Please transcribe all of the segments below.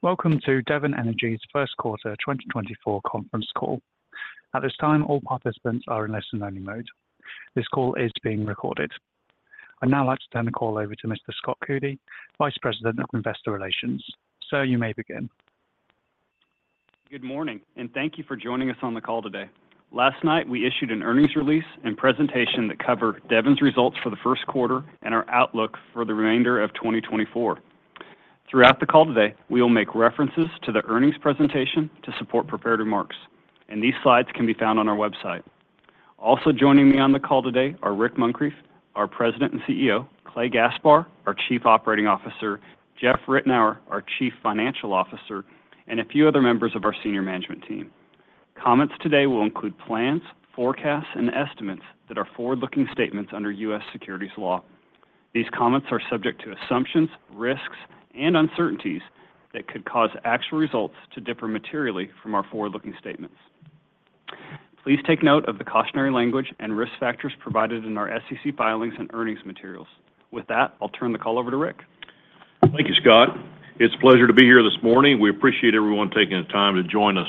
Welcome to Devon Energy's first quarter 2024 conference call. At this time, all participants are in listen-only mode. This call is being recorded. I'd now like to turn the call over to Mr. Scott Coody, Vice President of Investor Relations. Sir, you may begin. Good morning, and thank you for joining us on the call today. Last night, we issued an earnings release and presentation that covered Devon's results for the first quarter and our outlook for the remainder of 2024. Throughout the call today, we will make references to the earnings presentation to support prepared remarks, and these slides can be found on our website. Also joining me on the call today are Rick Muncrief, our President and CEO, Clay Gaspar, our Chief Operating Officer, Jeff Ritenour, our Chief Financial Officer, and a few other members of our senior management team. Comments today will include plans, forecasts, and estimates that are forward-looking statements under U.S. securities law. These comments are subject to assumptions, risks, and uncertainties that could cause actual results to differ materially from our forward-looking statements. Please take note of the cautionary language and risk factors provided in our SEC filings and earnings materials. With that, I'll turn the call over to Rick. Thank you, Scott. It's a pleasure to be here this morning. We appreciate everyone taking the time to join us.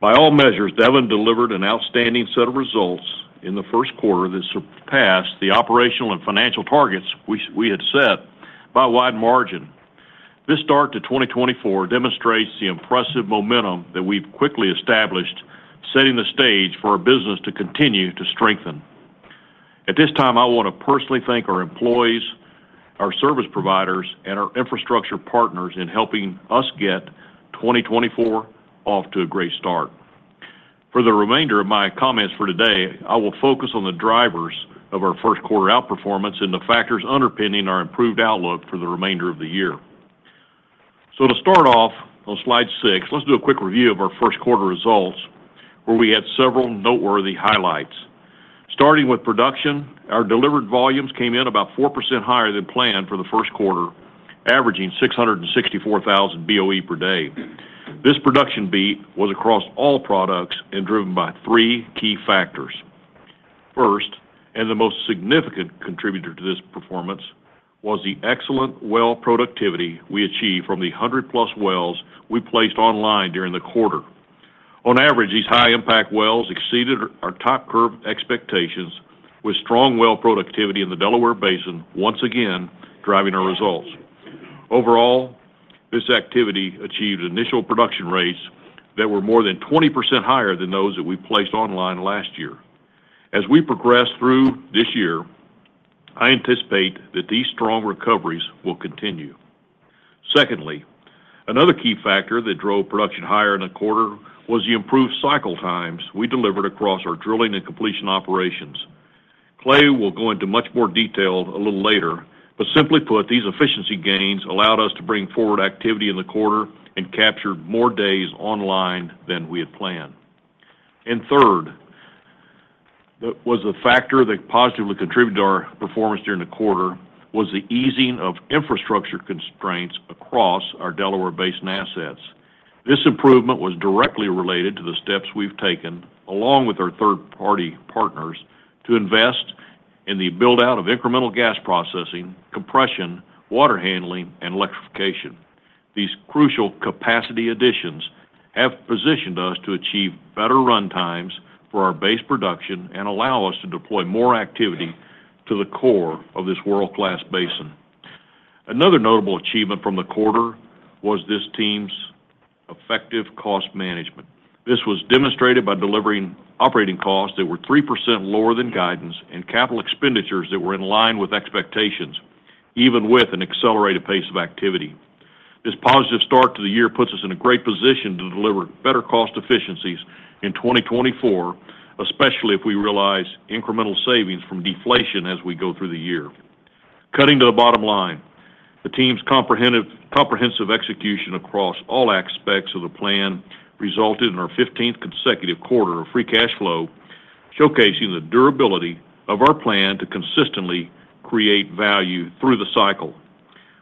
By all measures, Devon delivered an outstanding set of results in the first quarter that surpassed the operational and financial targets we had set by a wide margin. This start to 2024 demonstrates the impressive momentum that we've quickly established, setting the stage for our business to continue to strengthen. At this time, I want to personally thank our employees, our service providers, and our infrastructure partners in helping us get 2024 off to a great start. For the remainder of my comments for today, I will focus on the drivers of our first quarter outperformance and the factors underpinning our improved outlook for the remainder of the year. So to start off on slide six, let's do a quick review of our first quarter results, where we had several noteworthy highlights. Starting with production, our delivered volumes came in about 4% higher than planned for the first quarter, averaging 664,000 BOE per day. This production beat was across all products and driven by three key factors. First, and the most significant contributor to this performance, was the excellent well productivity we achieved from the 100+ wells we placed online during the quarter. On average, these high-impact wells exceeded our top curve expectations, with strong well productivity in the Delaware Basin once again driving our results. Overall, this activity achieved initial production rates that were more than 20% higher than those that we placed online last year. As we progress through this year, I anticipate that these strong recoveries will continue. Secondly, another key factor that drove production higher in the quarter was the improved cycle times we delivered across our drilling and completion operations. Clay will go into much more detail a little later, but simply put, these efficiency gains allowed us to bring forward activity in the quarter and captured more days online than we had planned. And third, a factor that positively contributed to our performance during the quarter was the easing of infrastructure constraints across our Delaware Basin assets. This improvement was directly related to the steps we've taken, along with our third-party partners, to invest in the build-out of incremental gas processing, compression, water handling, and electrification. These crucial capacity additions have positioned us to achieve better runtimes for our base production and allow us to deploy more activity to the core of this world-class basin. Another notable achievement from the quarter was this team's effective cost management. This was demonstrated by delivering operating costs that were 3% lower than guidance and capital expenditures that were in line with expectations, even with an accelerated pace of activity. This positive start to the year puts us in a great position to deliver better cost efficiencies in 2024, especially if we realize incremental savings from deflation as we go through the year. Cutting to the bottom line, the team's comprehensive execution across all aspects of the plan resulted in our 15th consecutive quarter of free cash flow, showcasing the durability of our plan to consistently create value through the cycle.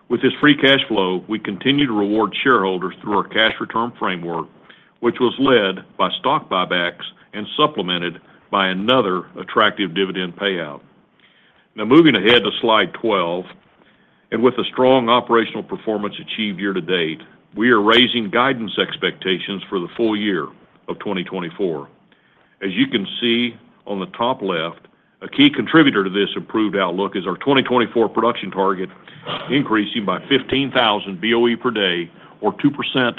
With this free cash flow, we continue to reward shareholders through our cash return framework, which was led by stock buybacks and supplemented by another attractive dividend payout. Now, moving ahead to slide 12, with the strong operational performance achieved year to date, we are raising guidance expectations for the full year of 2024. As you can see on the top left, a key contributor to this improved outlook is our 2024 production target, increasing by 15,000 BOE per day, or 2%,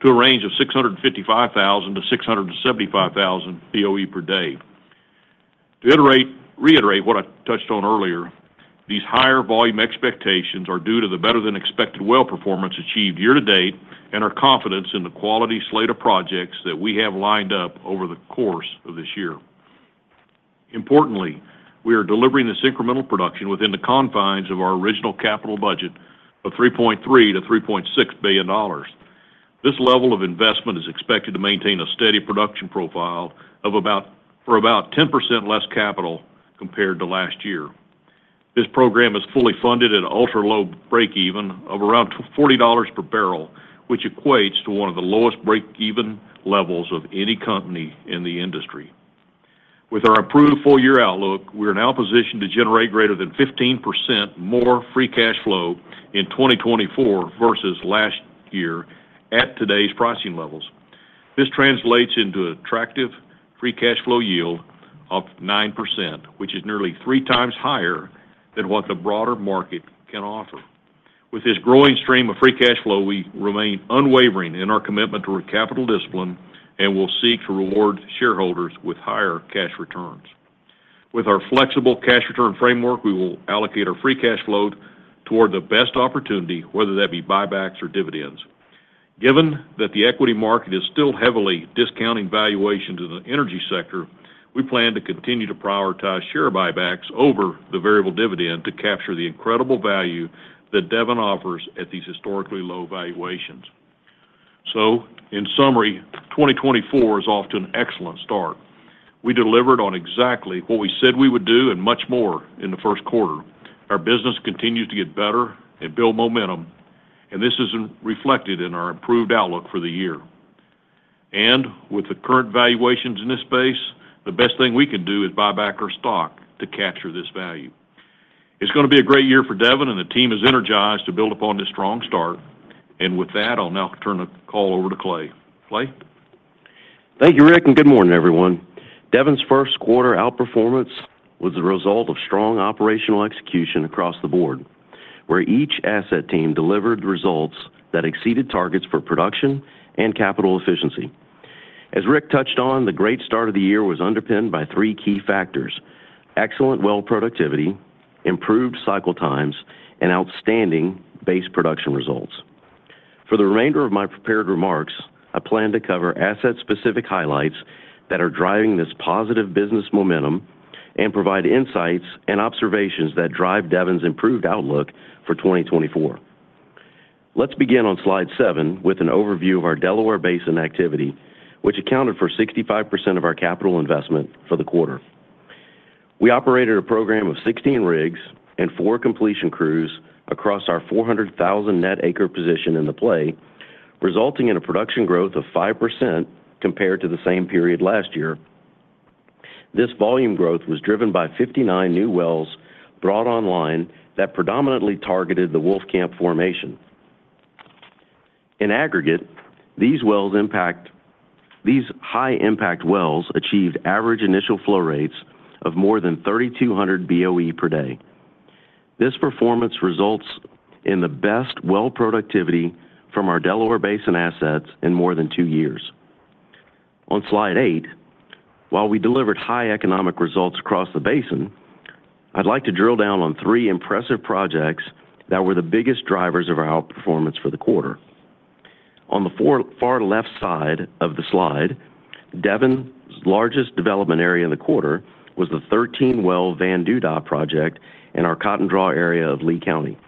to a range of 655,000-675,000 BOE per day. To reiterate what I touched on earlier, these higher volume expectations are due to the better-than-expected well performance achieved year to date and our confidence in the quality slate of projects that we have lined up over the course of this year. Importantly, we are delivering this incremental production within the confines of our original capital budget of $3.3-$3.6 billion. This level of investment is expected to maintain a steady production profile of about 10% less capital compared to last year. This program is fully funded at an ultra-low breakeven of around $40 per barrel, which equates to one of the lowest breakeven levels of any company in the industry. With our improved full-year outlook, we are now positioned to generate greater than 15% more free cash flow in 2024 versus last year at today's pricing levels. This translates into attractive free cash flow yield of 9%, which is nearly three times higher than what the broader market can offer. With this growing stream of free cash flow, we remain unwavering in our commitment to our capital discipline, and we'll seek to reward shareholders with higher cash returns. With our flexible cash return framework, we will allocate our free cash flow toward the best opportunity, whether that be buybacks or dividends. Given that the equity market is still heavily discounting valuations in the energy sector, we plan to continue to prioritize share buybacks over the variable dividend to capture the incredible value that Devon offers at these historically low valuations. So in summary, 2024 is off to an excellent start. We delivered on exactly what we said we would do and much more in the first quarter. Our business continues to get better and build momentum, and this is reflected in our improved outlook for the year. With the current valuations in this space, the best thing we can do is buy back our stock to capture this value. It's going to be a great year for Devon, and the team is energized to build upon this strong start. With that, I'll now turn the call over to Clay. Clay? Thank you, Rick, and good morning, everyone. Devon's first quarter outperformance was the result of strong operational execution across the board, where each asset team delivered results that exceeded targets for production and capital efficiency. As Rick touched on, the great start of the year was underpinned by three key factors: excellent well productivity, improved cycle times, and outstanding base production results. For the remainder of my prepared remarks, I plan to cover asset-specific highlights that are driving this positive business momentum and provide insights and observations that drive Devon's improved outlook for 2024. Let's begin on slide seven with an overview of our Delaware Basin activity, which accounted for 65% of our capital investment for the quarter. We operated a program of 16 rigs and four completion crews across our 400,000 net acre position in the play, resulting in a production growth of 5% compared to the same period last year. This volume growth was driven by 59 new wells brought online that predominantly targeted the Wolfcamp formation. In aggregate, these high-impact wells achieved average initial flow rates of more than 3,200 BOE per day. This performance results in the best well productivity from our Delaware Basin assets in more than two years. On slide eight, while we delivered high economic results across the basin, I'd like to drill down on three impressive projects that were the biggest drivers of our outperformance for the quarter. On the far left side of the slide, Devon's largest development area in the quarter was the 13-well Van Duda project in our Cotton Draw area of Lea County.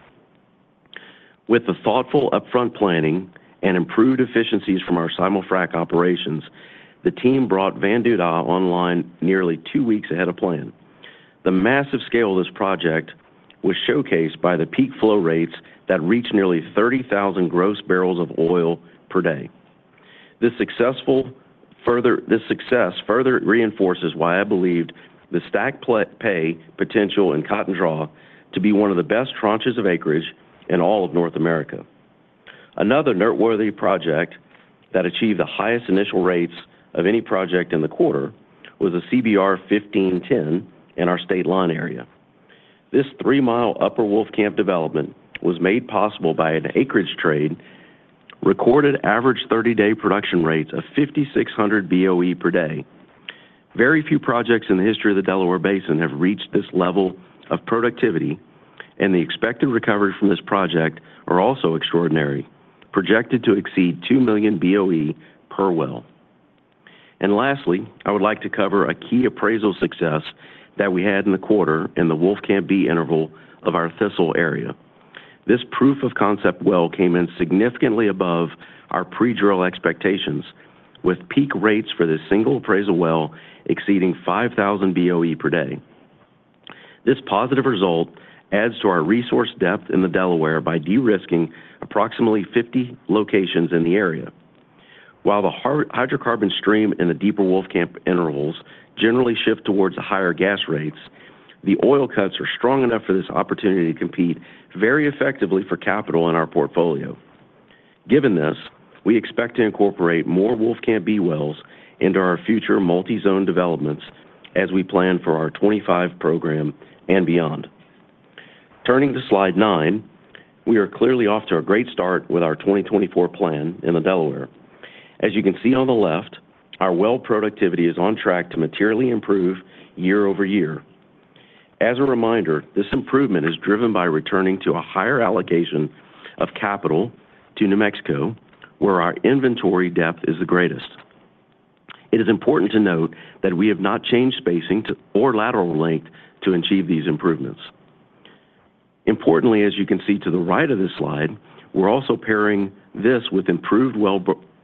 With the thoughtful upfront planning and improved efficiencies from our simulfrac operations, the team brought Van Duda online nearly two weeks ahead of plan. The massive scale of this project was showcased by the peak flow rates that reached nearly 30,000 gross barrels of oil per day. This success further reinforces why I believed the stack plat pay potential in Cotton Draw to be one of the best tranches of acreage in all of North America. Another noteworthy project that achieved the highest initial rates of any project in the quarter was a CBR 15-10 in our State Line area. This three-mile Upper Wolfcamp development was made possible by an acreage trade, recorded average 30-days production rates of 5,600 BOE per day. Very few projects in the history of the Delaware Basin have reached this level of productivity, and the expected recovery from this project are also extraordinary, projected to exceed 2 million BOE per well. Lastly, I would like to cover a key appraisal success that we had in the quarter in the Wolfcamp B interval of our Thistle area. This proof of concept well came in significantly above our pre-drill expectations, with peak rates for this single appraisal well exceeding 5,000 BOE per day. This positive result adds to our resource depth in the Delaware by de-risking approximately 50 locations in the area. While the hydrocarbon stream in the deeper Wolfcamp intervals generally shift towards the higher gas rates, the oil cuts are strong enough for this opportunity to compete very effectively for capital in our portfolio. Given this, we expect to incorporate more Wolfcamp B wells into our future multi-zone developments as we plan for our 2025 program and beyond. Turning to slide nine, we are clearly off to a great start with our 2024 plan in the Delaware. As you can see on the left, our well productivity is on track to materially improve year-over-year. As a reminder, this improvement is driven by returning to a higher allocation of capital to New Mexico, where our inventory depth is the greatest. It is important to note that we have not changed spacing too or lateral length too to achieve these improvements. Importantly, as you can see to the right of this slide, we're also pairing this with improved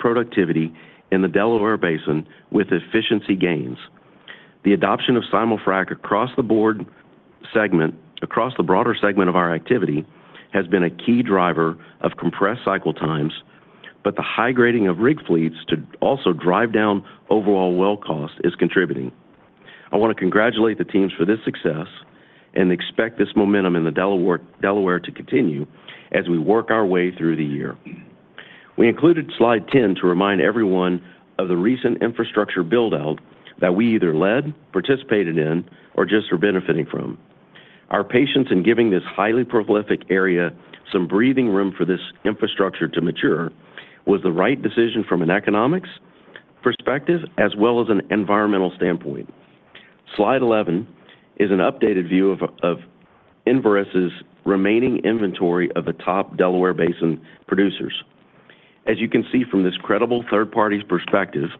well productivity in the Delaware Basin with efficiency gains. The adoption of simulfrac across the board segment, across the broader segment of our activity, has been a key driver of compressed cycle times, but the high grading of rig fleets to also drive down overall well cost is contributing. I wanna congratulate the teams for this success and expect this momentum in the Delaware to continue as we work our way through the year. We included slide 10 to remind everyone of the recent infrastructure build-out that we either led, participated in, or just are benefiting from. Our patience in giving this highly prolific area some breathing room for this infrastructure to mature was the right decision from an economics perspective as well as an environmental standpoint. Slide 11 is an updated view of Enverus's remaining inventory of the top Delaware Basin producers. As you can see from this credible third party's perspective,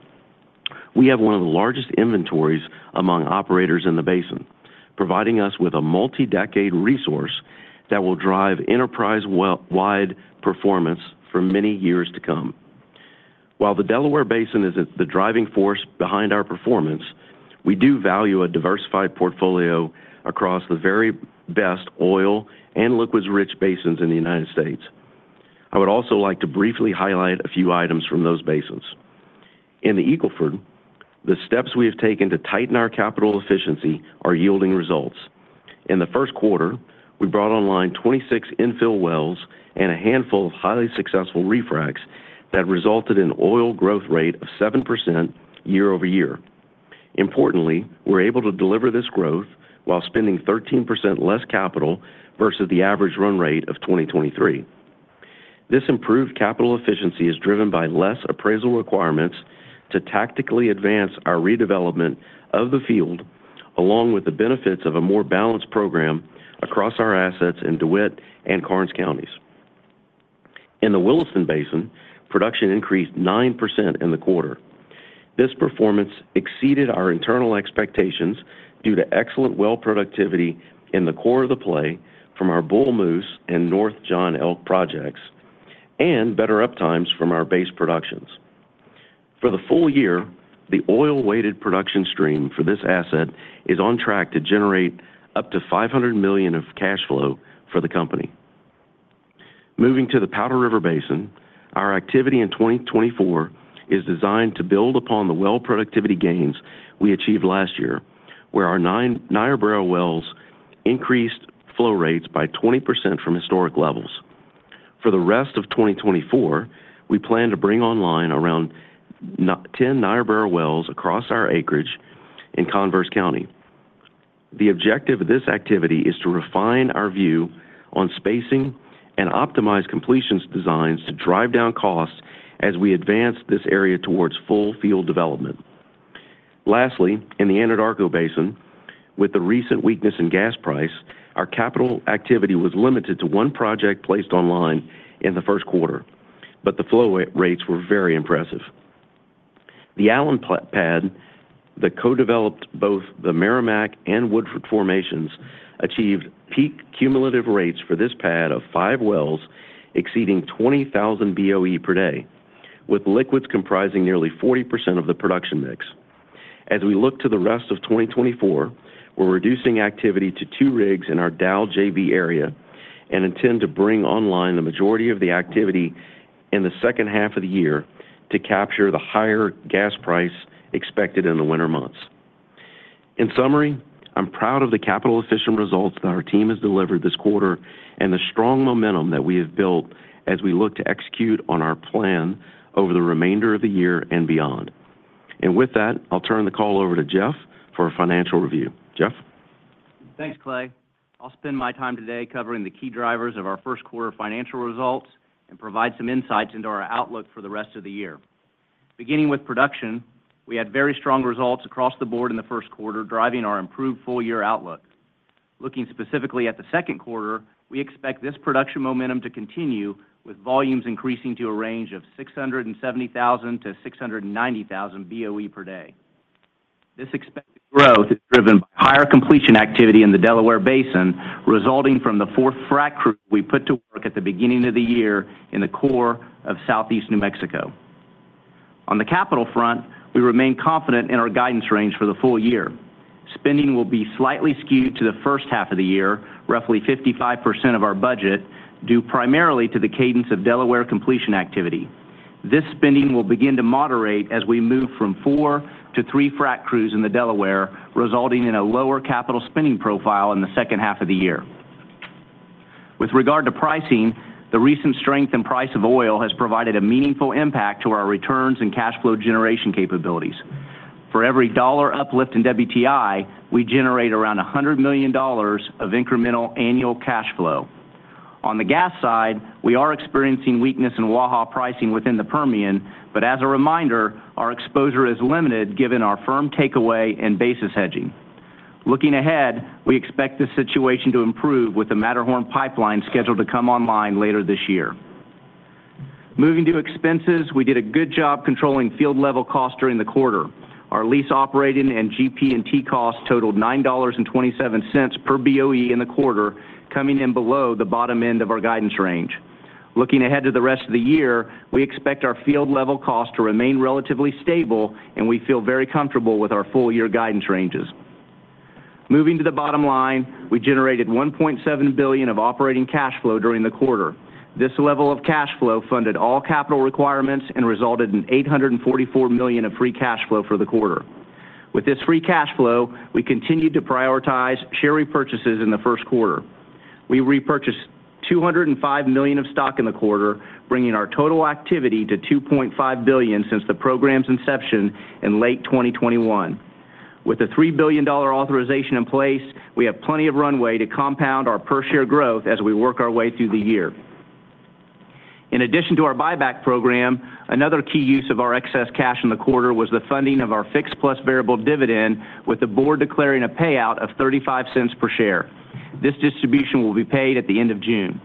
we have one of the largest inventories among operators in the basin, providing us with a multi-decade resource that will drive enterprise well-wide performance for many years to come. While the Delaware Basin is the driving force behind our performance, we do value a diversified portfolio across the very best oil and liquids-rich basins in the United States. I would also like to briefly highlight a few items from those basins. In the Eagle Ford, the steps we have taken to tighten our capital efficiency are yielding results. In the first quarter, we brought online 26 infill wells and a handful of highly successful refracs that resulted in oil growth rate of 7% year-over-year. Importantly, we're able to deliver this growth while spending 13% less capital versus the average run rate of 2023. This improved capital efficiency is driven by less appraisal requirements to tactically advance our redevelopment of the field, along with the benefits of a more balanced program across our assets in DeWitt and Karnes Counties. In the Williston Basin, production increased 9% in the quarter. This performance exceeded our internal expectations due to excellent well productivity in the core of the play from our Bull Moose and North John Elk projects, and better uptimes from our base productions. For the full year, the oil-weighted production stream for this asset is on track to generate up to $500 million of cash flow for the company. Moving to the Powder River Basin, our activity in 2024 is designed to build upon the well productivity gains we achieved last year, where our nine Niobrara wells increased flow rates by 20% from historic levels. For the rest of 2024, we plan to bring online around nine-ten Niobrara wells across our acreage in Converse County. The objective of this activity is to refine our view on spacing and optimize completions designs to drive down costs as we advance this area towards full field development. Lastly, in the Anadarko Basin, with the recent weakness in gas price, our capital activity was limited to one project placed online in the first quarter, but the flow rates were very impressive. The Allen pad, that co-developed both the Meramec and Woodford formations, achieved peak cumulative rates for this pad of five wells, exceeding 20,000 BOE per day, with liquids comprising nearly 40% of the production mix. As we look to the rest of 2024, we're reducing activity to two rigs in our Dow JB area and intend to bring online the majority of the activity in the second half of the year to capture the higher gas price expected in the winter months. In summary, I'm proud of the capital-efficient results that our team has delivered this quarter and the strong momentum that we have built as we look to execute on our plan over the remainder of the year and beyond. And with that, I'll turn the call over to Jeff for a financial review. Jeff? Thanks, Clay. I'll spend my time today covering the key drivers of our first quarter financial results and provide some insights into our outlook for the rest of the year. Beginning with production, we had very strong results across the board in the first quarter, driving our improved full year outlook. Looking specifically at the second quarter, we expect this production momentum to continue, with volumes increasing to a range of 670,000-690,000 BOE per day. This expected growth is driven by higher completion activity in the Delaware Basin, resulting from the fourth frac crew we put to work at the beginning of the year in the core of Southeast New Mexico. On the capital front, we remain confident in our guidance range for the full year. Spending will be slightly skewed to the first half of the year, roughly 55% of our budget, due primarily to the cadence of Delaware completion activity. This spending will begin to moderate as we move from four to three frac crews in the Delaware, resulting in a lower capital spending profile in the second half of the year. With regard to pricing, the recent strength in price of oil has provided a meaningful impact to our returns and cash flow generation capabilities. For every $1 uplift in WTI, we generate around $100 million of incremental annual cash flow. On the gas side, we are experiencing weakness in Waha pricing within the Permian, but as a reminder, our exposure is limited given our firm takeaway and basis hedging. Looking ahead, we expect this situation to improve with the Matterhorn pipeline scheduled to come online later this year. Moving to expenses, we did a good job controlling field-level costs during the quarter. Our lease operating and GP&T costs totaled $9.27 per BOE in the quarter, coming in below the bottom end of our guidance range. Looking ahead to the rest of the year, we expect our field-level costs to remain relatively stable, and we feel very comfortable with our full-year guidance ranges. Moving to the bottom line, we generated $1.7 billion of operating cash flow during the quarter. This level of cash flow funded all capital requirements and resulted in $844 million of free cash flow for the quarter. With this free cash flow, we continued to prioritize share repurchases in the first quarter. We repurchased $205 million of stock in the quarter, bringing our total activity to $2.5 billion since the program's inception in late 2021. With a $3 billion authorization in place, we have plenty of runway to compound our per-share growth as we work our way through the year. In addition to our buyback program, another key use of our excess cash in the quarter was the funding of our fixed plus variable dividend, with the board declaring a payout of $0.35 per share. This distribution will be paid at the end of June.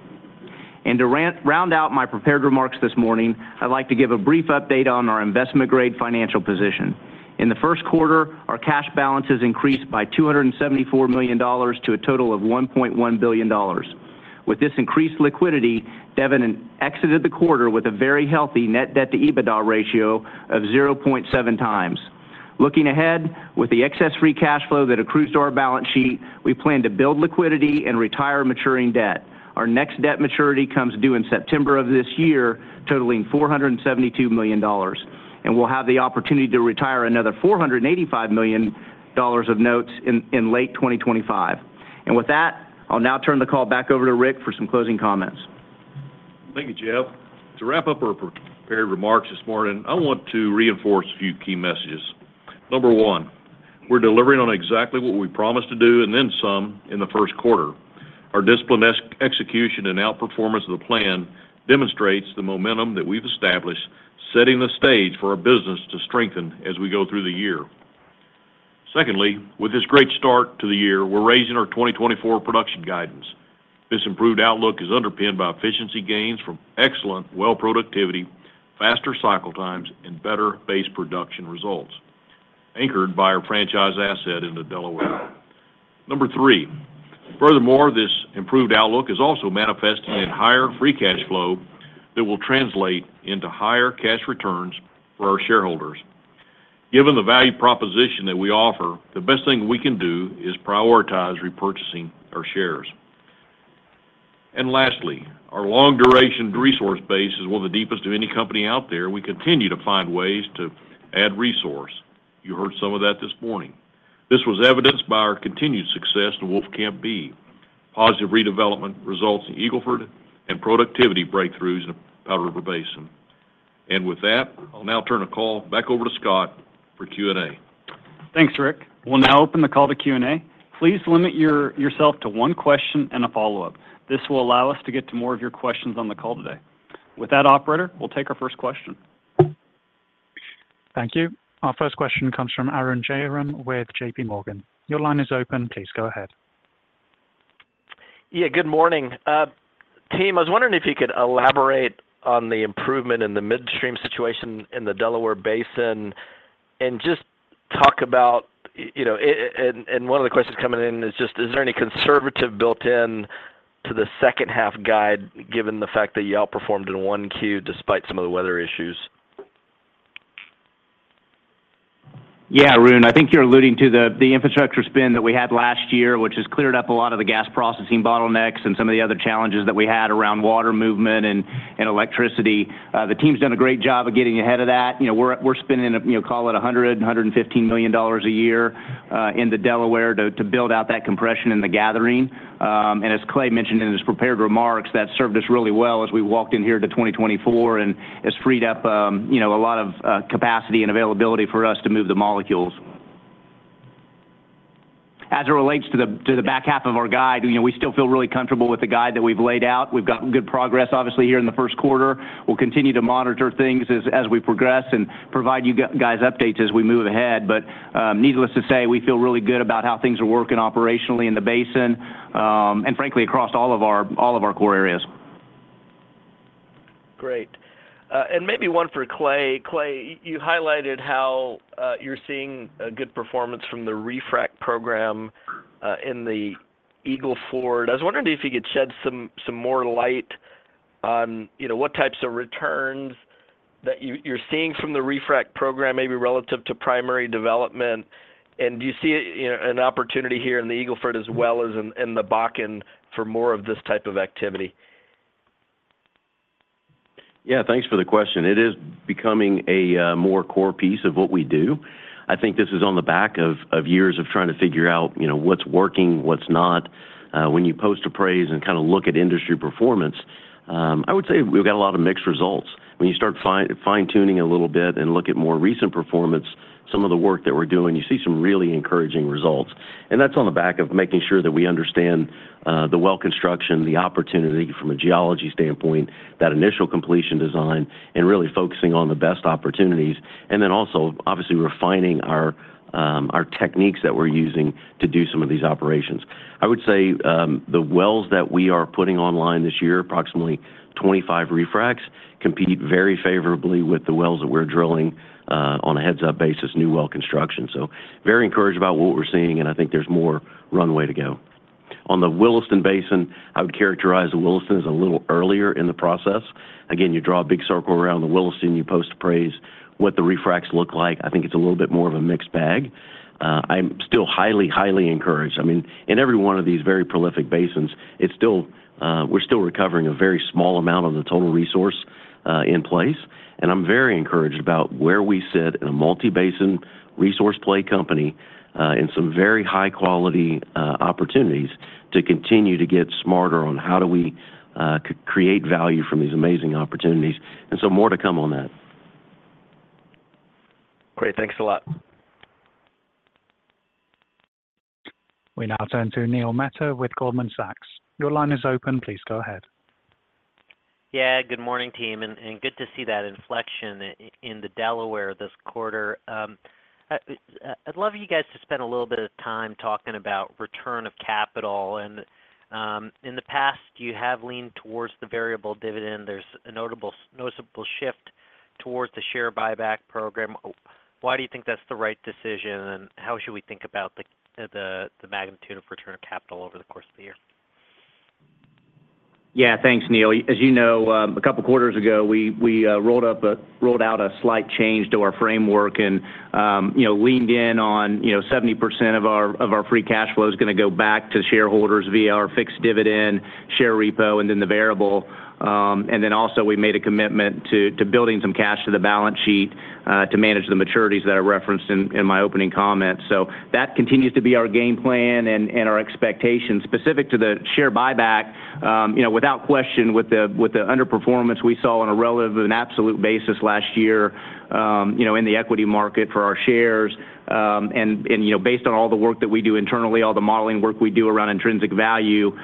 To round out my prepared remarks this morning, I'd like to give a brief update on our investment-grade financial position. In the first quarter, our cash balances increased by $274 million to a total of $1.1 billion. With this increased liquidity, Devon exited the quarter with a very healthy net debt to EBITDA ratio of 0.7x. Looking ahead, with the excess free cash flow that accrues to our balance sheet, we plan to build liquidity and retire maturing debt. Our next debt maturity comes due in September of this year, totaling $472 million, and we'll have the opportunity to retire another $485 million of notes in late 2025. And with that, I'll now turn the call back over to Rick for some closing comments. Thank you, Jeff. To wrap up our prepared remarks this morning, I want to reinforce a few key messages. Number one, we're delivering on exactly what we promised to do and then some in the first quarter. Our disciplined execution and outperformance of the plan demonstrates the momentum that we've established, setting the stage for our business to strengthen as we go through the year. Secondly, with this great start to the year, we're raising our 2024 production guidance. This improved outlook is underpinned by efficiency gains from excellent well productivity, faster cycle times, and better base production results, anchored by our franchise asset in the Delaware. Number three, furthermore, this improved outlook is also manifesting in higher free cash flow that will translate into higher cash returns for our shareholders. Given the value proposition that we offer, the best thing we can do is prioritize repurchasing our shares. And lastly, our long-duration resource base is one of the deepest of any company out there. We continue to find ways to add resource. You heard some of that this morning. This was evidenced by our continued success in Wolfcamp B, positive redevelopment results in Eagle Ford, and productivity breakthroughs in Powder River Basin. And with that, I'll now turn the call back over to Scott for Q&A. Thanks, Rick. We'll now open the call to Q&A. Please limit yourself to one question and a follow-up. This will allow us to get to more of your questions on the call today. With that, operator, we'll take our first question. Thank you. Our first question comes from Arun Jayaram with JPMorgan. Your line is open. Please go ahead. Yeah, good morning. Team, I was wondering if you could elaborate on the improvement in the midstream situation in the Delaware Basin, and just talk about, you know, and one of the questions coming in is just, is there any conservative built-in to the second-half guide, given the fact that you outperformed in 1Q, despite some of the weather issues? Yeah, Arun, I think you're alluding to the infrastructure spend that we had last year, which has cleared up a lot of the gas processing bottlenecks and some of the other challenges that we had around water movement and electricity. The team's done a great job of getting ahead of that. You know, we're spending, you know, call it $100 million-$115 million a year, in the Delaware to build out that compression and the gathering. And as Clay mentioned in his prepared remarks, that served us really well as we walked in here to 2024, and it's freed up, you know, a lot of capacity and availability for us to move the molecules. As it relates to the back half of our guide, you know, we still feel really comfortable with the guide that we've laid out. We've gotten good progress, obviously, here in the first quarter. We'll continue to monitor things as we progress and provide you guys updates as we move ahead. But needless to say, we feel really good about how things are working operationally in the basin, and frankly, across all of our core areas. Great. And maybe one for Clay. Clay, you highlighted how you're seeing a good performance from the refrac program in the Eagle Ford. I was wondering if you could shed some more light on, you know, what types of returns that you're seeing from the refrac program, maybe relative to primary development. And do you see an opportunity here in the Eagle Ford as well as in the Bakken for more of this type of activity? Yeah, thanks for the question. It is becoming a more core piece of what we do. I think this is on the back of years of trying to figure out, you know, what's working, what's not. When you post appraise and kinda look at industry performance, I would say we've got a lot of mixed results. When you start fine-tuning a little bit and look at more recent performance, some of the work that we're doing, you see some really encouraging results. And that's on the back of making sure that we understand the well construction, the opportunity from a geology standpoint, that initial completion design, and really focusing on the best opportunities, and then also, obviously, refining our techniques that we're using to do some of these operations. I would say, the wells that we are putting online this year, approximately 25 refracts-... compete very favorably with the wells that we're drilling, on a heads-up basis, new well construction. So very encouraged about what we're seeing, and I think there's more runway to go. On the Williston Basin, I would characterize the Williston as a little earlier in the process. Again, you draw a big circle around the Williston, you post appraise what the refracs look like. I think it's a little bit more of a mixed bag. I'm still highly, highly encouraged. I mean, in every one of these very prolific basins, it's still, we're still recovering a very small amount of the total resource in place, and I'm very encouraged about where we sit in a multi-basin resource play company in some very high-quality opportunities to continue to get smarter on how do we create value from these amazing opportunities, and so more to come on that. Great. Thanks a lot. We now turn to Neil Mehta with Goldman Sachs. Your line is open. Please go ahead. Yeah, good morning, team, and good to see that inflection in the Delaware this quarter. I'd love you guys to spend a little bit of time talking about return of capital, and in the past, you have leaned towards the variable dividend. There's a noticeable shift towards the share buyback program. Why do you think that's the right decision, and how should we think about the magnitude of return of capital over the course of the year? Yeah, thanks, Neil. As you know, a couple quarters ago, we rolled out a slight change to our framework and, you know, leaned in on, you know, 70% of our free cash flow is gonna go back to shareholders via our fixed dividend, share repo, and then the variable. And then also, we made a commitment to building some cash to the balance sheet, to manage the maturities that I referenced in my opening comments. So that continues to be our game plan and our expectations. Specific to the share buyback, you know, without question, with the underperformance we saw on a relative and absolute basis last year, you know, in the equity market for our shares, and, you know, based on all the work that we do internally, all the modeling work we do around intrinsic value,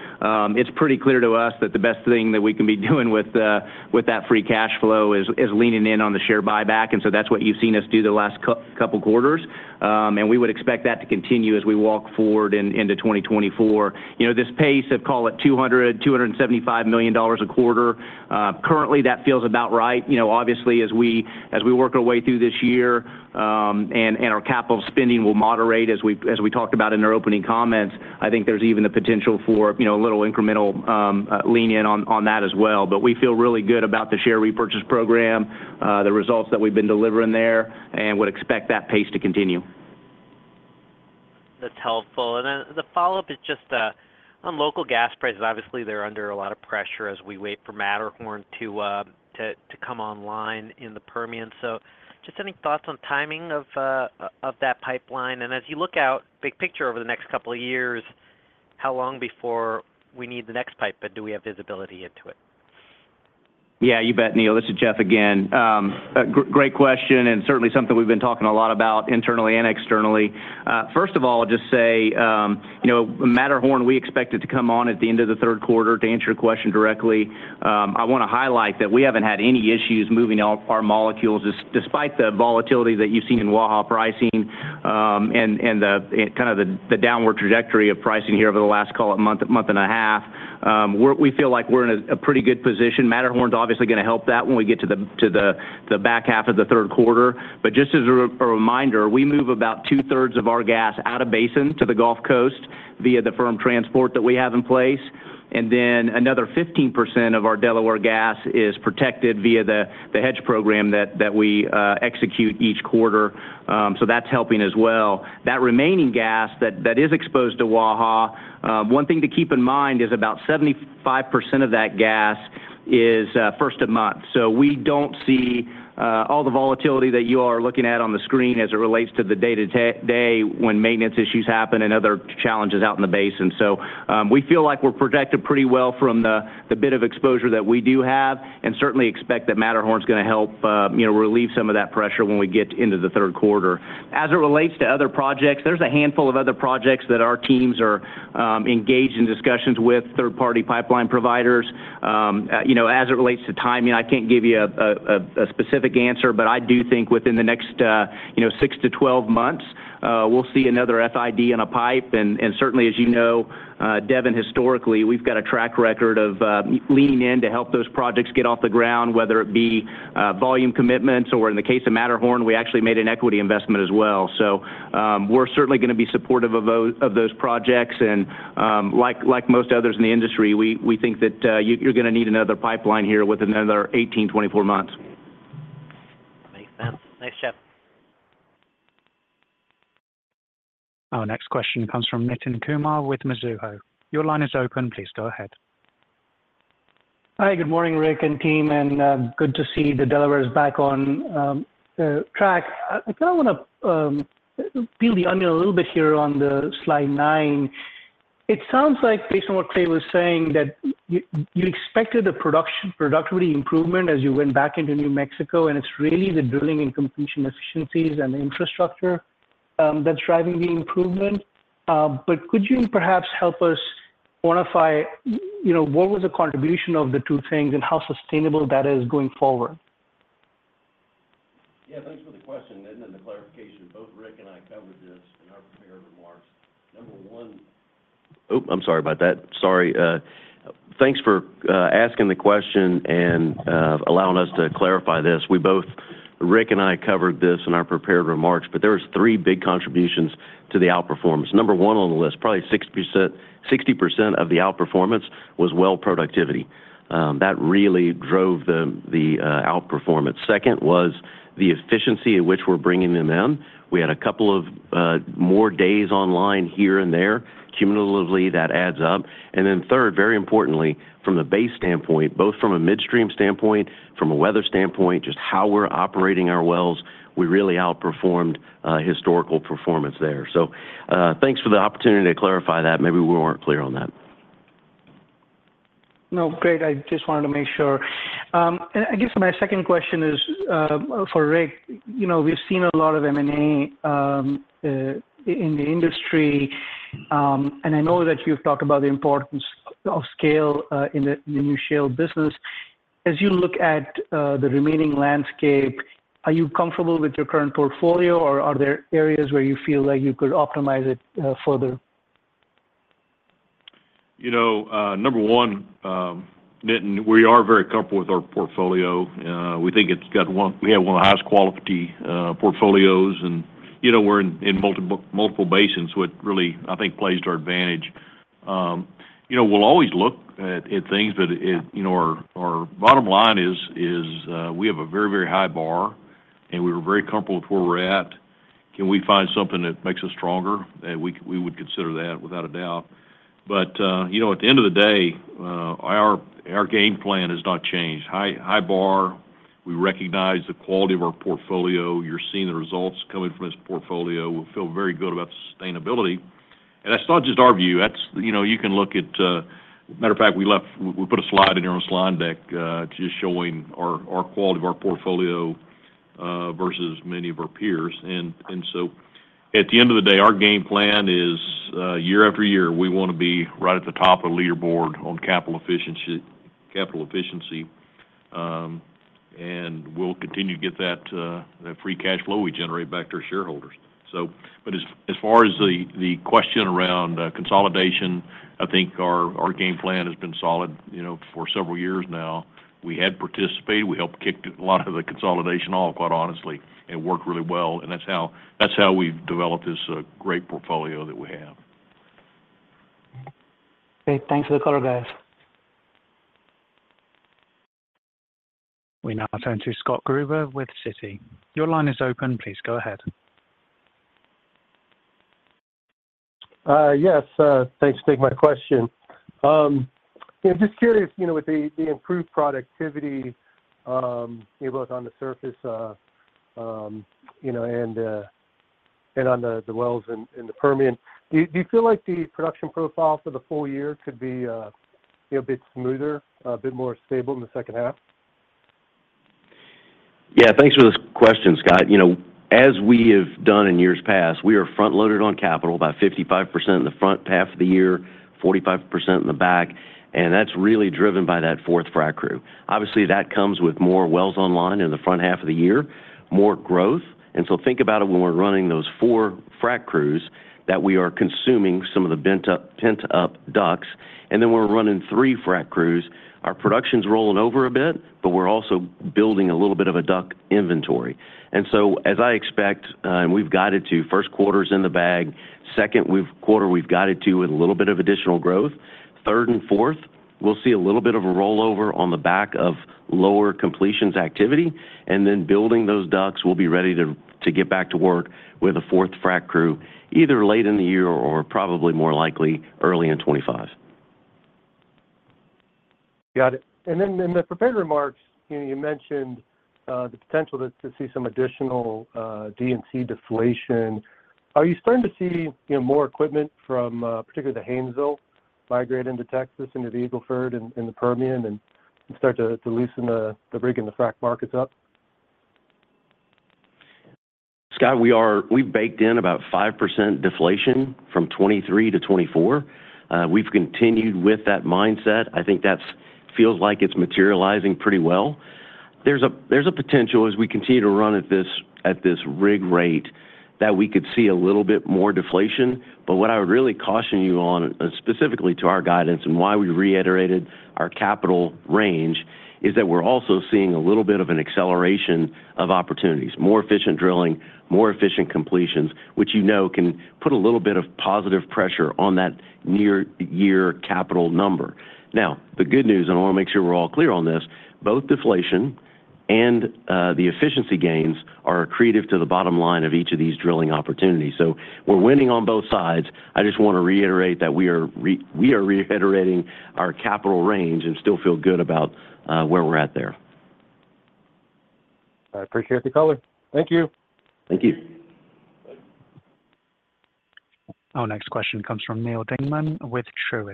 it's pretty clear to us that the best thing that we can be doing with that free cash flow is leaning in on the share buyback, and so that's what you've seen us do the last couple quarters. And we would expect that to continue as we walk forward into 2024. You know, this pace of, call it $275 million a quarter, currently, that feels about right. You know, obviously, as we work our way through this year, and our capital spending will moderate as we talked about in our opening comments, I think there's even the potential for, you know, a little incremental lean in on that as well. But we feel really good about the share repurchase program, the results that we've been delivering there, and would expect that pace to continue. That's helpful. And then the follow-up is just on local gas prices. Obviously, they're under a lot of pressure as we wait for Matterhorn to come online in the Permian. So just any thoughts on timing of that pipeline? And as you look out, big picture, over the next couple of years, how long before we need the next pipe, and do we have visibility into it? Yeah, you bet, Neil. This is Jeff again. Great question, and certainly something we've been talking a lot about internally and externally. First of all, I'll just say, you know, Matterhorn, we expect it to come on at the end of the third quarter, to answer your question directly. I wanna highlight that we haven't had any issues moving out our molecules, despite the volatility that you've seen in Waha pricing, and the downward trajectory of pricing here over the last, call it a month and a half. We feel like we're in a pretty good position. Matterhorn's obviously gonna help that when we get to the back half of the third quarter. But just as a reminder, we move about 2/3 of our gas out of basin to the Gulf Coast via the firm transport that we have in place, and then another 15% of our Delaware gas is protected via the hedge program that we execute each quarter. So that's helping as well. That remaining gas that is exposed to Waha, one thing to keep in mind is about 75% of that gas is first of month. So we don't see all the volatility that you are looking at on the screen as it relates to the day-to-day when maintenance issues happen and other challenges out in the basin. So, we feel like we're protected pretty well from the bit of exposure that we do have and certainly expect that Matterhorn's gonna help, you know, relieve some of that pressure when we get into the third quarter. As it relates to other projects, there's a handful of other projects that our teams are engaged in discussions with third-party pipeline providers. You know, as it relates to timing, I can't give you a specific answer, but I do think within the next six to 12 months, we'll see another FID in a pipe. Certainly, as you know, Devon, historically, we've got a track record of leaning in to help those projects get off the ground, whether it be volume commitments, or in the case of Matterhorn, we actually made an equity investment as well. So, we're certainly gonna be supportive of those projects, and, like most others in the industry, we think that you're gonna need another pipeline here within another 18-24 months. Makes sense. Thanks, Jeff. Our next question comes from Nitin Kumar with Mizuho. Your line is open. Please go ahead. Hi, good morning, Rick and team, and good to see the Delaware is back on track. I kind of wanna peel the onion a little bit here on the slide nine. It sounds like, based on what Clay was saying, that you expected a production, productivity improvement as you went back into New Mexico, and it's really the drilling and completion efficiencies and infrastructure that's driving the improvement. But could you perhaps help us quantify, you know, what was the contribution of the two things and how sustainable that is going forward?... Yeah, thanks for the question, and then the clarification. Both Rick and I covered this in our prepared remarks. Number one—Oh, I'm sorry about that. Sorry. Thanks for asking the question and allowing us to clarify this. We both, Rick and I, covered this in our prepared remarks, but there was three big contributions to the outperformance. Number one on the list, probably 6%, 60% of the outperformance was well productivity. That really drove the outperformance. Second, was the efficiency at which we're bringing them in. We had a couple of more days online here and there. Cumulatively, that adds up. And then third, very importantly, from the base standpoint, both from a midstream standpoint, from a weather standpoint, just how we're operating our wells, we really outperformed historical performance there. So, thanks for the opportunity to clarify that. Maybe we weren't clear on that. No, great. I just wanted to make sure. I guess my second question is for Rick. You know, we've seen a lot of M&A in the industry, and I know that you've talked about the importance of scale in the new shale business. As you look at the remaining landscape, are you comfortable with your current portfolio, or are there areas where you feel like you could optimize it further? You know, number one, Nitin, we are very comfortable with our portfolio. We think we have one of the highest quality portfolios, and, you know, we're in multiple basins, which really, I think, plays to our advantage. You know, we'll always look at things, but, you know, our bottom line is we have a very, very high bar, and we're very comfortable with where we're at. Can we find something that makes us stronger? We would consider that, without a doubt. But, you know, at the end of the day, our game plan has not changed. High bar, we recognize the quality of our portfolio. You're seeing the results coming from this portfolio. We feel very good about sustainability. And that's not just our view, that's... You know, you can look at, matter of fact, we put a slide in here on slide deck, just showing our quality of our portfolio, versus many of our peers. And so at the end of the day, our game plan is, year after year, we wanna be right at the top of the leaderboard on capital efficiency, capital efficiency. And we'll continue to get that free cash flow we generate back to our shareholders. So but as far as the question around, consolidation, I think our game plan has been solid, you know, for several years now. We had participated. We helped kick a lot of the consolidation off, quite honestly, and worked really well, and that's how, that's how we've developed this great portfolio that we have. Great. Thanks for the call, guys. We now turn to Scott Gruber with Citi. Your line is open. Please go ahead. Yes, thanks for taking my question. Yeah, just curious, you know, with the improved productivity, both on the surface, you know, and on the wells in the Permian, do you feel like the production profile for the full year could be, you know, a bit smoother, a bit more stable in the second half? Yeah, thanks for this question, Scott. You know, as we have done in years past, we are front-loaded on capital, about 55% in the front half of the year, 45% in the back, and that's really driven by that fourth frac crew. Obviously, that comes with more wells online in the front half of the year, more growth. And so think about it, when we're running those four frac crews, that we are consuming some of the pent-up DUCs, and then we're running three frac crews. Our production's rolling over a bit, but we're also building a little bit of a DUC inventory. And so as I expect, and we've guided to, first quarter's in the bag, second quarter, we've guided to with a little bit of additional growth. Third and fourth, we'll see a little bit of a rollover on the back of lower completions activity, and then building those DUCs will be ready to get back to work with a fourth frac crew, either late in the year or probably more likely, early in 2025. Got it. And then in the prepared remarks, you mentioned the potential to see some additional D&C deflation. Are you starting to see, you know, more equipment from particularly the Haynesville, migrate into Texas, into the Eagle Ford and the Permian, and start to loosen the rig and the frack markets up? Scott, we are-- we've baked in about 5% deflation from 2023 to 2024. We've continued with that mindset. I think that's feels like it's materializing pretty well. There's a potential as we continue to run at this rig rate, that we could see a little bit more deflation. But what I would really caution you on, specifically to our guidance and why we reiterated our capital range, is that we're also seeing a little bit of an acceleration of opportunities, more efficient drilling, more efficient completions, which you know can put a little bit of positive pressure on that near year capital number. Now, the good news, and I wanna make sure we're all clear on this, both deflation and the efficiency gains are accretive to the bottom line of each of these drilling opportunities. So we're winning on both sides. I just wanna reiterate that we are reiterating our capital range and still feel good about where we're at there. I appreciate the color. Thank you. Thank you. Our next question comes from Neal Dingmann with Truist.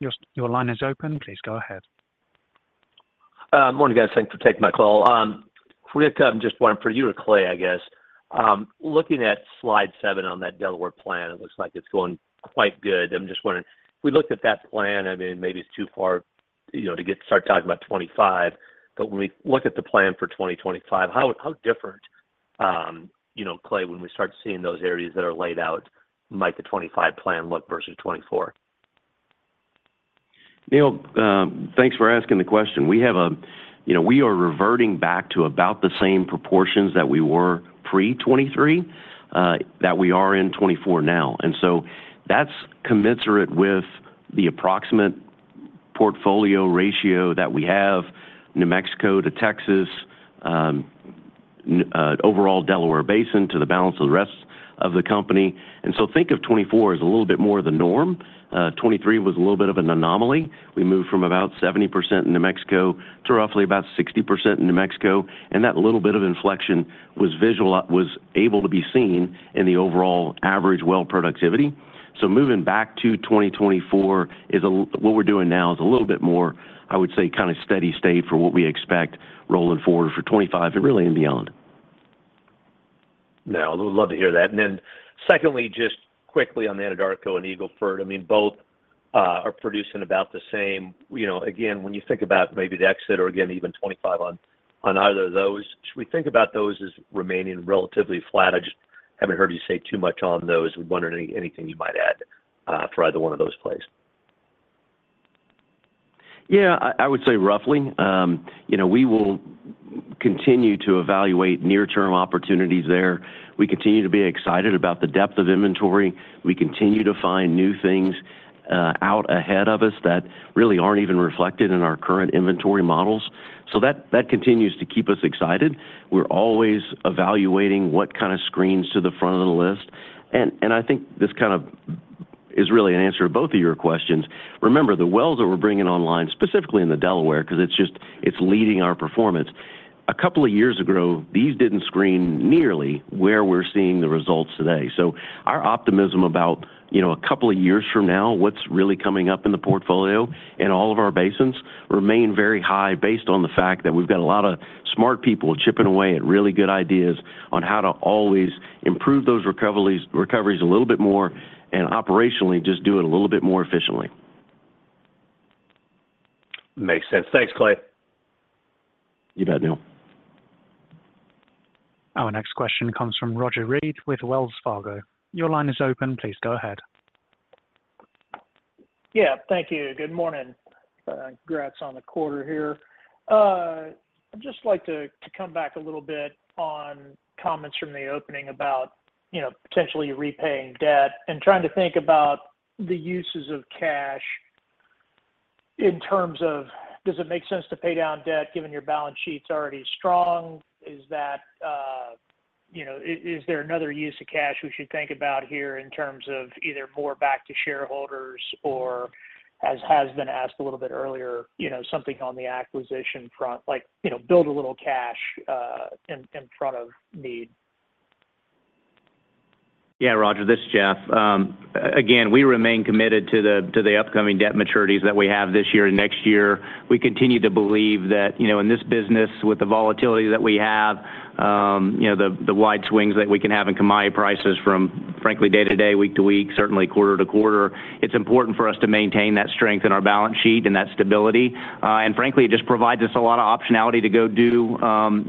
Your line is open. Please go ahead. Morning, guys. Thanks for taking my call. Rick, just one for you and Clay, I guess.... Looking at slide seven on that Delaware plan, it looks like it's going quite good. I'm just wondering, we looked at that plan, I mean, maybe it's too far, you know, to get to start talking about 2025. But when we look at the plan for 2025, how, how different, you know, Clay, when we start seeing those areas that are laid out, might the 2025 plan look versus 2024? Neil, thanks for asking the question. We have a-- You know, we are reverting back to about the same proportions that we were pre-2023, that we are in 2024 now. And so that's commensurate with the approximate portfolio ratio that we have, New Mexico to Texas, overall Delaware Basin to the balance of the rest of the company. And so think of 2024 as a little bit more of the norm. 2023 was a little bit of an anomaly. We moved from about 70% in New Mexico to roughly about 60% in New Mexico, and that little bit of inflection was able to be seen in the overall average well productivity. So moving back to 2024. What we're doing now is a little bit more, I would say, kind of steady state for what we expect rolling forward for 2025, and really, and beyond. Now, I would love to hear that. And then secondly, just quickly on the Anadarko and Eagle Ford, I mean, both, are producing about the same. You know, again, when you think about maybe the exit or again, even 2025 on, on either of those, should we think about those as remaining relatively flat? I just haven't heard you say too much on those. I was wondering anything you might add, for either one of those plays? Yeah, I would say roughly. You know, we will continue to evaluate near-term opportunities there. We continue to be excited about the depth of inventory. We continue to find new things out ahead of us that really aren't even reflected in our current inventory models. So that continues to keep us excited. We're always evaluating what kind of screens to the front of the list. And I think this kind of is really an answer to both of your questions. Remember, the wells that we're bringing online, specifically in the Delaware, because it's just, it's leading our performance. A couple of years ago, these didn't screen nearly where we're seeing the results today. So our optimism about, you know, a couple of years from now, what's really coming up in the portfolio and all of our basins remain very high, based on the fact that we've got a lot of smart people chipping away at really good ideas on how to always improve those recoveries a little bit more and operationally, just do it a little bit more efficiently. Makes sense. Thanks, Clay. You bet, Neil. Our next question comes from Roger Read with Wells Fargo. Your line is open. Please go ahead. Yeah, thank you. Good morning. Congrats on the quarter here. I'd just like to come back a little bit on comments from the opening about, you know, potentially repaying debt and trying to think about the uses of cash in terms of, does it make sense to pay down debt, given your balance sheet's already strong? Is that... You know, is there another use of cash we should think about here in terms of either more back to shareholders or, as has been asked a little bit earlier, you know, something on the acquisition front, like, you know, build a little cash in front of need? Yeah, Roger, this is Jeff. Again, we remain committed to the upcoming debt maturities that we have this year and next year. We continue to believe that, you know, in this business, with the volatility that we have, you know, the wide swings that we can have in commodity prices from, frankly, day to day, week to week, certainly quarter-to-quarter, it's important for us to maintain that strength in our balance sheet and that stability. And frankly, it just provides us a lot of optionality to go do,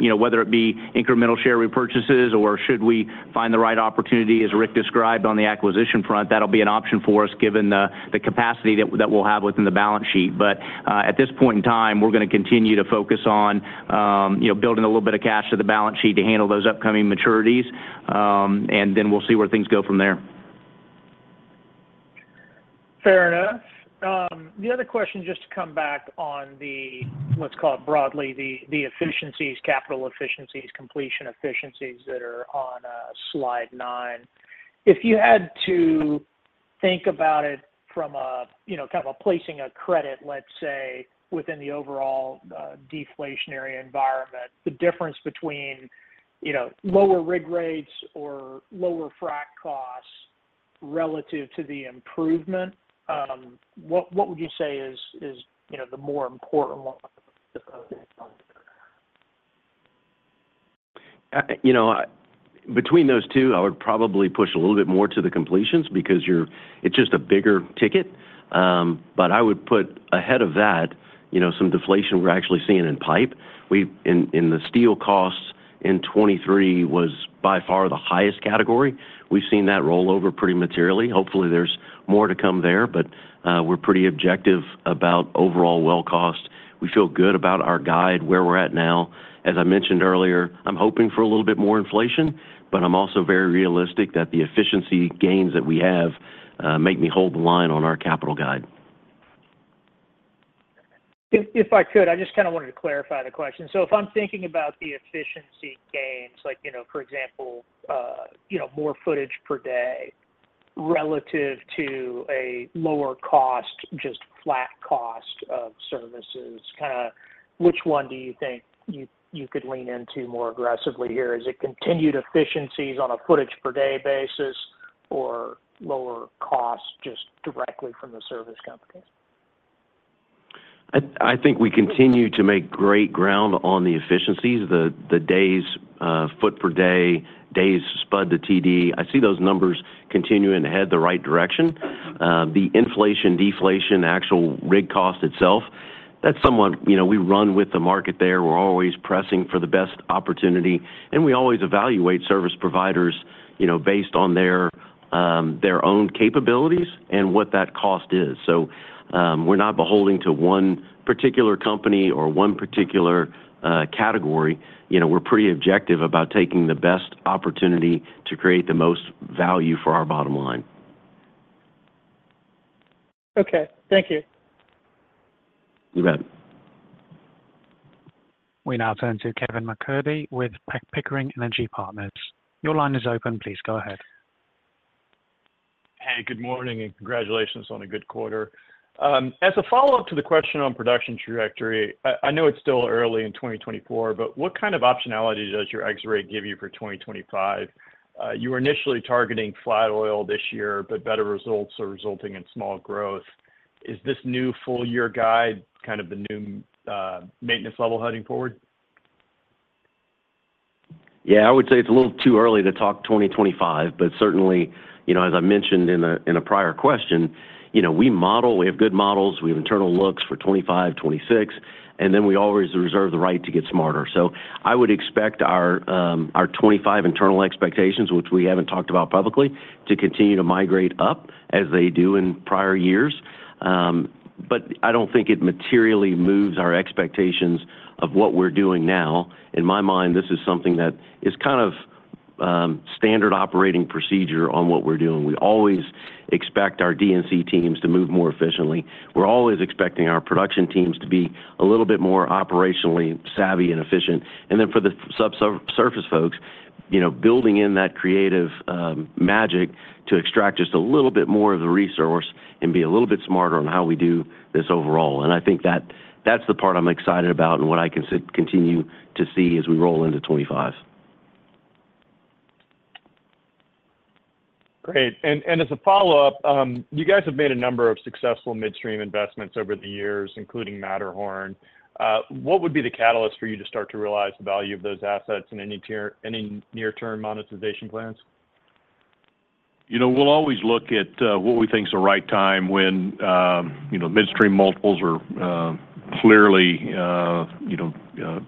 you know, whether it be incremental share repurchases or should we find the right opportunity, as Rick described on the acquisition front, that'll be an option for us, given the capacity that we'll have within the balance sheet. But, at this point in time, we're gonna continue to focus on, you know, building a little bit of cash to the balance sheet to handle those upcoming maturities, and then we'll see where things go from there. Fair enough. The other question, just to come back on the—what's called broadly, the efficiencies, capital efficiencies, completion efficiencies that are on slide nine. If you had to think about it from a, you know, kind of a placing a credit, let's say, within the overall deflationary environment, the difference between, you know, lower rig rates or lower frack costs relative to the improvement, what would you say is, you know, the more important one? You know, between those two, I would probably push a little bit more to the completions because you're, it's just a bigger ticket. But I would put ahead of that, you know, some deflation we're actually seeing in pipe. In the steel costs in 2023 was by far the highest category. We've seen that roll over pretty materially. Hopefully, there's more to come there, but we're pretty objective about overall well cost. We feel good about our guide, where we're at now. As I mentioned earlier, I'm hoping for a little bit more inflation, but I'm also very realistic that the efficiency gains that we have make me hold the line on our capital guide. If, if I could, I just kinda wanted to clarify the question. So if I'm thinking about the efficiency gains, like, you know, for example, you know, more footage per day relative to a lower cost, just flat cost of services, kinda which one do you think you, you could lean into more aggressively here? Is it continued efficiencies on a footage per day basis or lower cost just directly from the service companies? ... I think we continue to make great ground on the efficiencies. The days foot per day, days spud to TD, I see those numbers continuing to head the right direction. The inflation, deflation, actual rig cost itself, that's somewhat. You know, we run with the market there. We're always pressing for the best opportunity, and we always evaluate service providers, you know, based on their own capabilities and what that cost is. So, we're not beholding to one particular company or one particular category. You know, we're pretty objective about taking the best opportunity to create the most value for our bottom line. Okay, thank you. You bet. We now turn to Kevin McCurdy with Pickering Energy Partners. Your line is open. Please go ahead. Hey, good morning, and congratulations on a good quarter. As a follow-up to the question on production trajectory, I know it's still early in 2024, but what kind of optionality does your X-ray give you for 2025? You were initially targeting flat oil this year, but better results are resulting in small growth. Is this new full-year guide kind of the new maintenance level heading forward? Yeah, I would say it's a little too early to talk 2025, but certainly, you know, as I mentioned in a prior question, you know, we model, we have good models, we have internal looks for 2025, 2026, and then we always reserve the right to get smarter. So I would expect our 2025 internal expectations, which we haven't talked about publicly, to continue to migrate up as they do in prior years. But I don't think it materially moves our expectations of what we're doing now. In my mind, this is something that is kind of, standard operating procedure on what we're doing. We always expect our D&C teams to move more efficiently. We're always expecting our production teams to be a little bit more operationally savvy and efficient. Then for the subsurface folks, you know, building in that creative magic to extract just a little bit more of the resource and be a little bit smarter on how we do this overall. I think that that's the part I'm excited about and what I can see continue to see as we roll into 2025. Great. And as a follow-up, you guys have made a number of successful midstream investments over the years, including Matterhorn. What would be the catalyst for you to start to realize the value of those assets, and any near-term monetization plans? You know, we'll always look at what we think is the right time when, you know, midstream multiples are clearly, you know,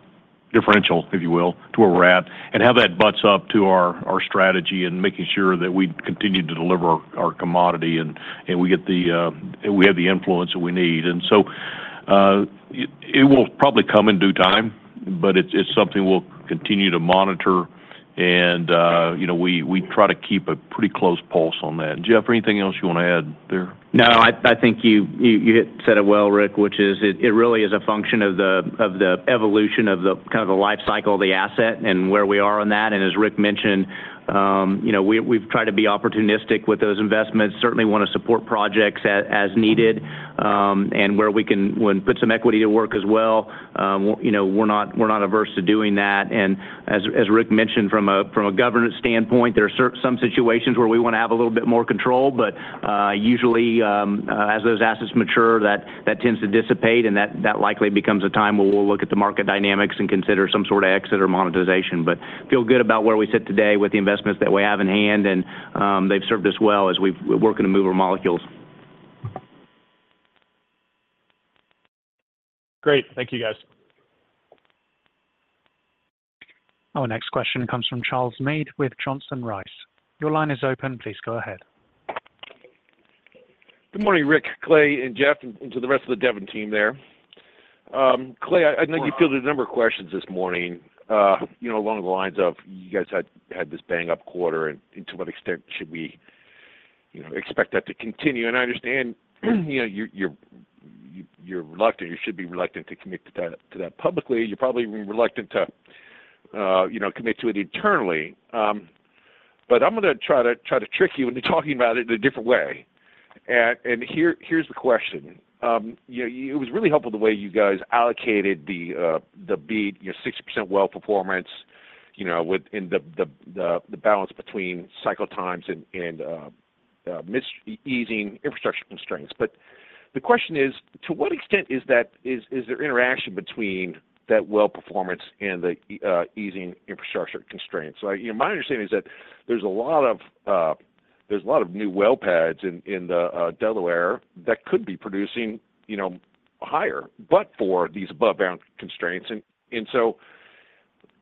differential, if you will, to where we're at, and how that butts up to our, our strategy and making sure that we continue to deliver our commodity and, and we get the, and we have the influence that we need. And so, it, it will probably come in due time, but it's, it's something we'll continue to monitor and, you know, we, we try to keep a pretty close pulse on that. Jeff, anything else you want to add there? No, I think you said it well, Rick, which is it really is a function of the evolution of the kind of the life cycle of the asset and where we are on that. And as Rick mentioned, you know, we've tried to be opportunistic with those investments, certainly wanna support projects as needed, and where we can, put some equity to work as well, you know, we're not averse to doing that. And as Rick mentioned, from a governance standpoint, there are some situations where we wanna have a little bit more control, but usually, as those assets mature, that tends to dissipate, and that likely becomes a time where we'll look at the market dynamics and consider some sort of exit or monetization. But we feel good about where we sit today with the investments that we have in hand, and they've served us well as we're working to move our molecules. Great. Thank you, guys. Our next question comes from Charles Meade with Johnson Rice. Your line is open. Please go ahead. Good morning, Rick, Clay, and Jeff, and to the rest of the Devon team there. Clay, I- Good morning. I know you field a number of questions this morning, you know, along the lines of you guys had this bang-up quarter, and to what extent should we, you know, expect that to continue? And I understand, you know, you're reluctant, you should be reluctant to commit to that publicly. You're probably reluctant to, you know, commit to it internally. But I'm gonna try to trick you into talking about it in a different way. And here, here's the question: You know, it was really helpful the way you guys allocated the beat, your 60% well performance, you know, within the balance between cycle times and easing infrastructure constraints. But the question is, to what extent is there interaction between that well performance and the easing infrastructure constraints? So, you know, my understanding is that there's a lot of new well pads in the Delaware that could be producing, you know, higher, but for these above-ground constraints. And so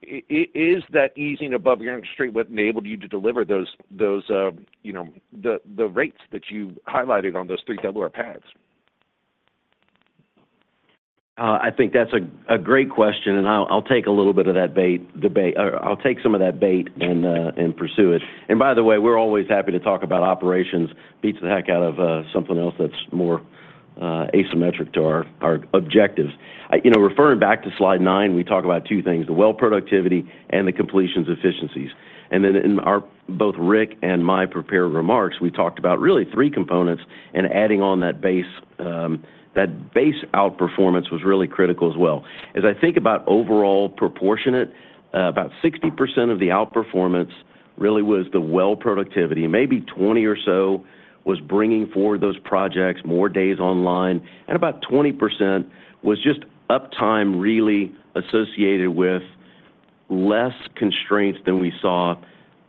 is that easing of your infrastructure what enabled you to deliver those, you know, the rates that you highlighted on those three Delaware pads? I think that's a great question, and I'll take a little bit of that bait or I'll take some of that bait and pursue it. And by the way, we're always happy to talk about operations. Beats the heck out of something else that's more asymmetric to our objectives. You know, referring back to slide nine, we talk about two things: the well productivity and the completions efficiencies. And then in both Rick and my prepared remarks, we talked about really three components, and adding on that base, that base outperformance was really critical as well. As I think about overall proportionate, about 60% of the outperformance really was the well productivity. Maybe 20 or so was bringing forward those projects, more days online, and about 20% was just uptime, really associated with less constraints than we saw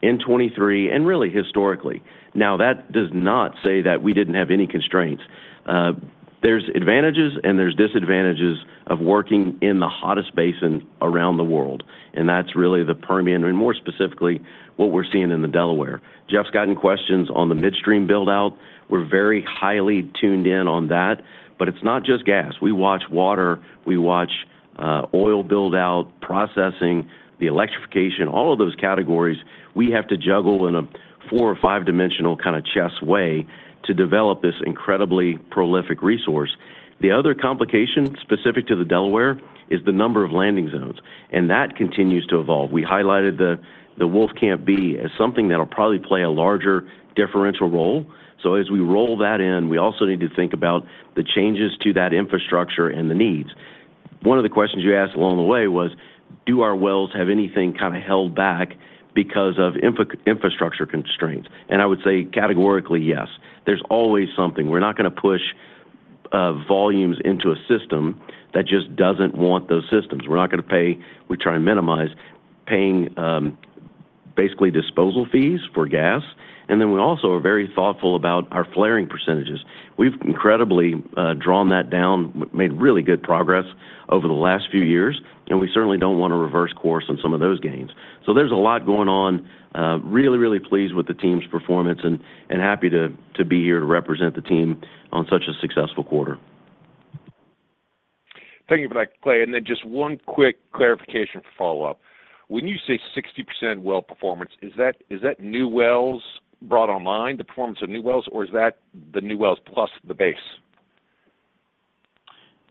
in 2023 and really historically. Now, that does not say that we didn't have any constraints. There's advantages and there's disadvantages of working in the hottest basin around the world, and that's really the Permian, and more specifically, what we're seeing in the Delaware. Jeff's gotten questions on the midstream build-out. We're very highly tuned in on that, but it's not just gas. We watch water, we watch, oil build-out, processing, the electrification, all of those categories, we have to juggle in a four or five dimensional kinda chess way to develop this incredibly prolific resource. The other complication specific to the Delaware is the number of landing zones, and that continues to evolve. We highlighted the Wolfcamp B as something that'll probably play a larger differential role. So as we roll that in, we also need to think about the changes to that infrastructure and the needs. One of the questions you asked along the way was, do our wells have anything kinda held back because of infrastructure constraints? And I would say categorically, yes. There's always something. We're not gonna push volumes into a system that just doesn't want those systems. We're not gonna pay... We try and minimize paying basically disposal fees for gas, and then we also are very thoughtful about our flaring percentages. We've incredibly drawn that down, made really good progress over the last few years, and we certainly don't wanna reverse course on some of those gains. So there's a lot going on, really, really pleased with the team's performance and happy to be here to represent the team on such a successful quarter. Thank you for that, Clay. Just one quick clarification for follow-up. When you say 60% well performance, is that, is that new wells brought online, the performance of new wells, or is that the new wells plus the base?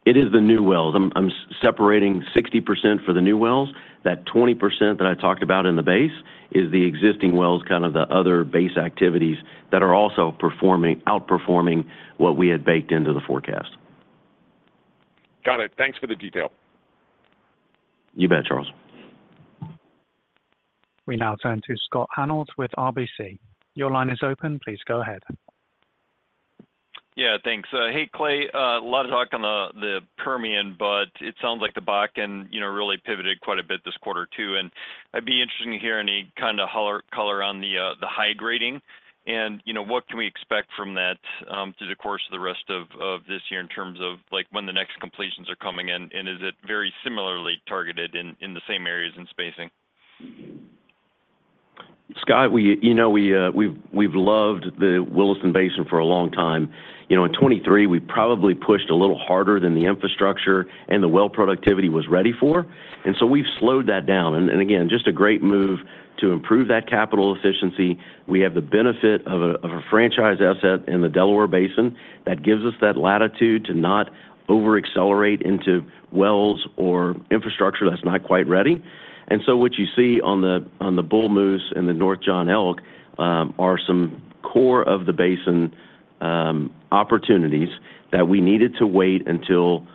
It is the new wells. I'm, I'm separating 60% for the new wells. That 20% that I talked about in the base is the existing wells, kind of the other base activities that are also performing, outperforming what we had baked into the forecast. Got it. Thanks for the detail. You bet, Charles. We now turn to Scott Hanold with RBC. Your line is open. Please go ahead. Yeah, thanks. Hey, Clay. A lot of talk on the Permian, but it sounds like the Bakken, you know, really pivoted quite a bit this quarter, too. And I'd be interested to hear any kinda color on the high grading, and, you know, what can we expect from that through the course of the rest of this year in terms of, like, when the next completions are coming in, and is it very similarly targeted in the same areas in spacing? Scott, you know, we've loved the Williston Basin for a long time. You know, in 2023, we probably pushed a little harder than the infrastructure and the well productivity was ready for, and so we've slowed that down. And again, just a great move to improve that capital efficiency. We have the benefit of a franchise asset in the Delaware Basin that gives us that latitude to not over-accelerate into wells or infrastructure that's not quite ready. And so what you see on the Bull Moose and the North John Elk are some core of the basin opportunities that we needed to wait until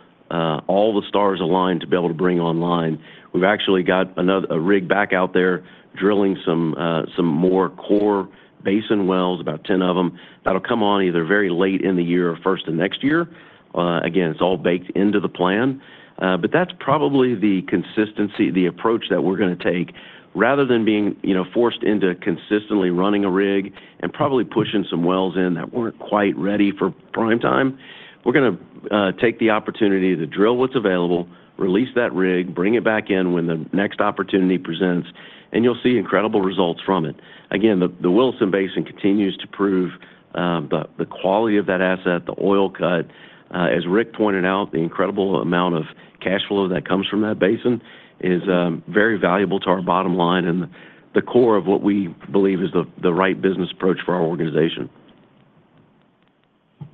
all the stars aligned to be able to bring online. We've actually got a rig back out there, drilling some more core basin wells, about 10 of them. That'll come on either very late in the year or first of next year. Again, it's all baked into the plan, but that's probably the consistency, the approach that we're gonna take, rather than being, you know, forced into consistently running a rig and probably pushing some wells in that weren't quite ready for prime time. We're gonna take the opportunity to drill what's available, release that rig, bring it back in when the next opportunity presents, and you'll see incredible results from it. Again, the Williston Basin continues to prove the quality of that asset, the oil cut. As Rick pointed out, the incredible amount of cash flow that comes from that basin is very valuable to our bottom line and the core of what we believe is the right business approach for our organization.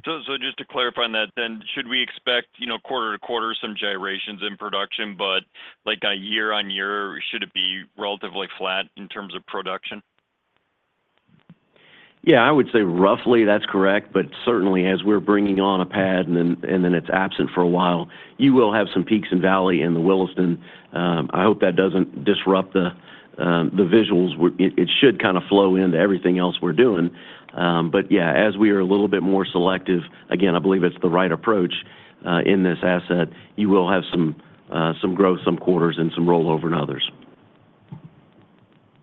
So, just to clarify on that then, should we expect, you know, quarter-to-quarter, some gyrations in production, but like a year-on-year, should it be relatively flat in terms of production? Yeah, I would say roughly that's correct, but certainly as we're bringing on a pad and then, and then it's absent for a while, you will have some peaks and valleys in the Williston. I hope that doesn't disrupt the visuals. It should kinda flow into everything else we're doing. But yeah, as we are a little bit more selective, again, I believe it's the right approach in this asset, you will have some growth, some quarters and some rollover in others.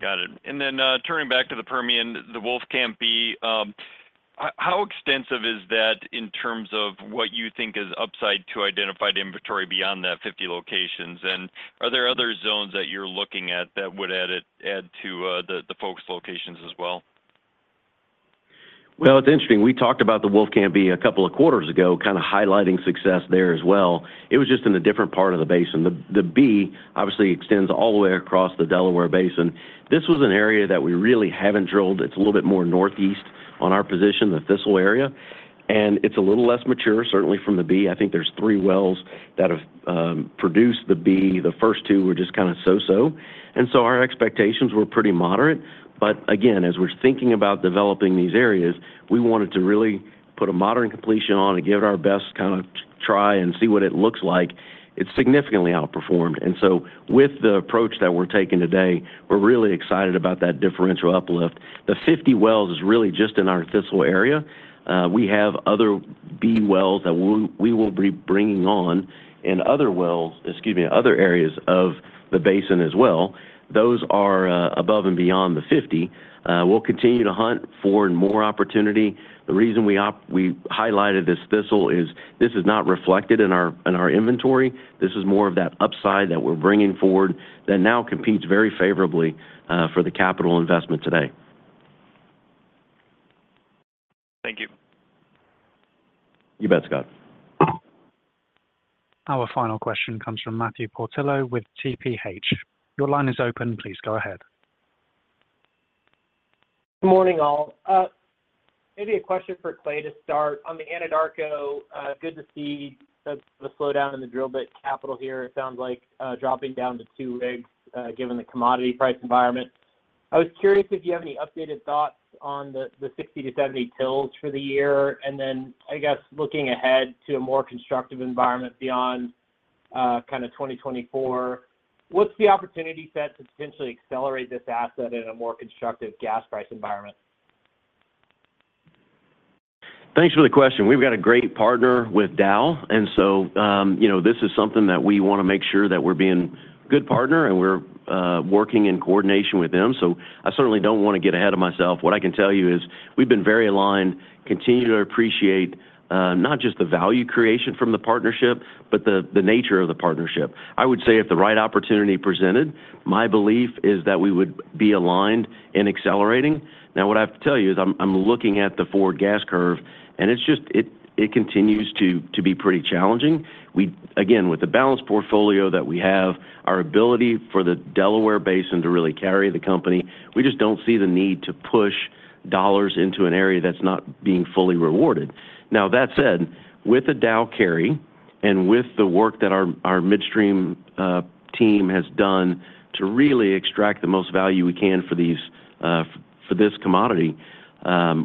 Got it. And then, turning back to the Permian, the Wolfcamp B, how extensive is that in terms of what you think is upside to identified inventory beyond that 50 locations? And are there other zones that you're looking at that would add to, the, the focused locations as well? Well, it's interesting. We talked about the Wolfcamp B a couple of quarters ago, kinda highlighting success there as well. It was just in a different part of the basin. The B obviously extends all the way across the Delaware Basin. This was an area that we really haven't drilled. It's a little bit more northeast on our position, the Thistle area. And it's a little less mature, certainly from the B. I think there's three wells that have produced the B. The first two were just kind of so-so, and so our expectations were pretty moderate. But again, as we're thinking about developing these areas, we wanted to really put a modern completion on and give it our best kind of try and see what it looks like. It's significantly outperformed. And so with the approach that we're taking today, we're really excited about that differential uplift. The 50 wells is really just in our Thistle area. We have other B wells that we will be bringing on, and other wells, excuse me, other areas of the basin as well. Those are above and beyond the 50. We'll continue to hunt for more opportunity. The reason we highlighted this Thistle is this is not reflected in our inventory. This is more of that upside that we're bringing forward that now competes very favorably for the capital investment today. Thank you. You bet, Scott. Our final question comes from Matthew Portillo with TPH. Your line is open, please go ahead. Good morning, all. Maybe a question for Clay to start. On the Anadarko, good to see the slowdown in the drill bit capital here. It sounds like dropping down to two rigs, given the commodity price environment. I was curious if you have any updated thoughts on the 60-70 wells for the year. And then, I guess, looking ahead to a more constructive environment beyond kind of 2024, what's the opportunity set to potentially accelerate this asset in a more constructive gas price environment? Thanks for the question. We've got a great partner with Dow, and so, you know, this is something that we wanna make sure that we're being a good partner, and we're working in coordination with them. So I certainly don't wanna get ahead of myself. What I can tell you is we've been very aligned, continue to appreciate, not just the value creation from the partnership, but the nature of the partnership. I would say if the right opportunity presented, my belief is that we would be aligned in accelerating. Now, what I have to tell you is I'm looking at the forward gas curve, and it's just - it continues to be pretty challenging. Again, with the balanced portfolio that we have, our ability for the Delaware Basin to really carry the company, we just don't see the need to push dollars into an area that's not being fully rewarded. Now, that said, with the Dow carry and with the work that our midstream team has done to really extract the most value we can for these for this commodity,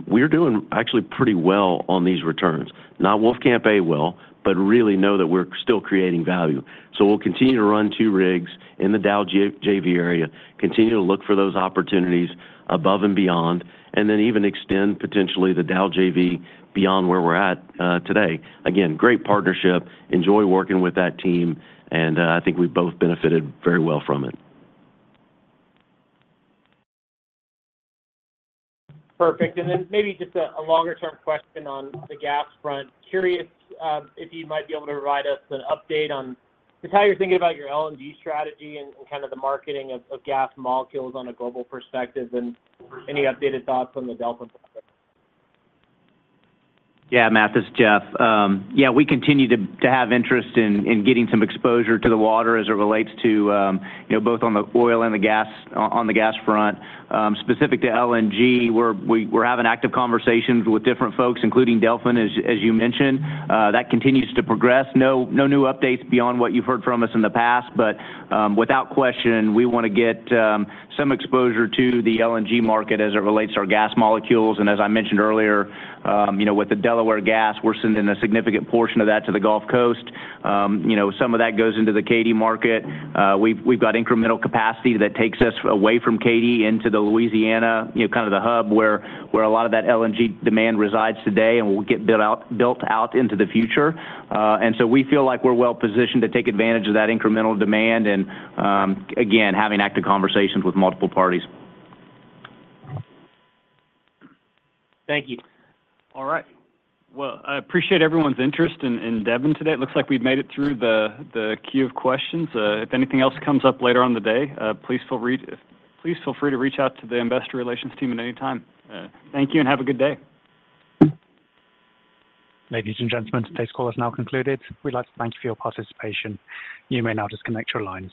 we're doing actually pretty well on these returns. Not Wolfcamp A well, but really know that we're still creating value. So we'll continue to run two rigs in the Dow JV area, continue to look for those opportunities above and beyond, and then even extend potentially the Dow JV beyond where we're at today. Again, great partnership. Enjoy working with that team, and I think we've both benefited very well from it. Perfect. And then maybe just a longer-term question on the gas front. Curious, if you might be able to provide us an update on just how you're thinking about your LNG strategy and kind of the marketing of gas molecules on a global perspective, and any updated thoughts on the Delfin? Yeah, Matt, this is Jeff. Yeah, we continue to have interest in getting some exposure to the water as it relates to, you know, both on the oil and the gas, on the gas front. Specific to LNG, we're having active conversations with different folks, including Delfin, as you mentioned. That continues to progress. No new updates beyond what you've heard from us in the past, but without question, we wanna get some exposure to the LNG market as it relates to our gas molecules. And as I mentioned earlier, you know, with the Delaware gas, we're sending a significant portion of that to the Gulf Coast. You know, some of that goes into the Katy market. We've got incremental capacity that takes us away from Katy into the Louisiana, you know, kind of the hub, where a lot of that LNG demand resides today and will get built out into the future. And so we feel like we're well positioned to take advantage of that incremental demand, and again, having active conversations with multiple parties. Thank you. All right. Well, I appreciate everyone's interest in Devon today. It looks like we've made it through the queue of questions. If anything else comes up later on the day, please feel free to reach out to the investor relations team at any time. Thank you, and have a good day. Ladies and gentlemen, today's call has now concluded. We'd like to thank you for your participation. You may now disconnect your lines.